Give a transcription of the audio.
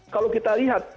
kalau kita lihat